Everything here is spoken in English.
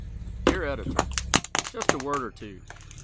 _ Dear Editor: Just a word or two.